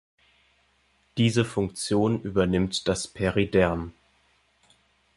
Diese Funktion übernimmt das Periderm.